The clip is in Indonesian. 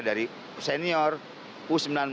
dari senior u sembilan belas